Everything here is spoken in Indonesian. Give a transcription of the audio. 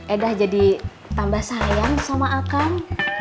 eh dah jadi tambah sayang sama akang